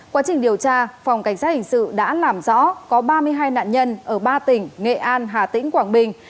quá trình điều tra phòng cảnh sát hình sự đã làm rõ có ba mươi hai nạn nhân ở ba tỉnh nghệ an hà tĩnh quảng bình